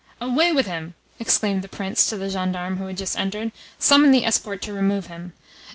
"Away with him!" exclaimed the Prince to the gendarme who had just entered. "Summon the escort to remove him."